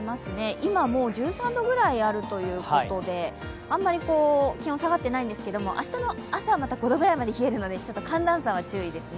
今、もう１３度くらいあるということで、あまり気温下がってないんですけど、明日の朝はまた５度くらいまで下がるので寒暖差に注意ですね。